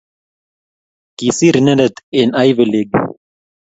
Kisiir inendet eng Ivy league